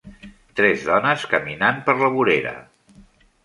Tres dones caminant per la vorera